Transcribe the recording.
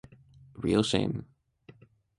A real shame.